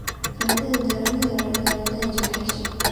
It is most often a result of a urinary tract infection.